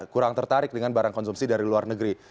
kurang tertarik dengan barang konsumsi dari luar negeri